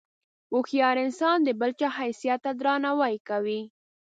هوښیار انسان د بل چا حیثیت ته درناوی کوي.